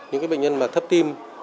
những cái bệnh nhân mà thấp tim